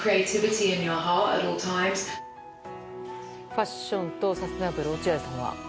ファッションとサステナブル落合さんは？